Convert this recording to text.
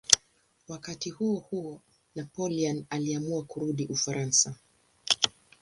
Wakati huohuo Napoleon aliamua kurudi Ufaransa.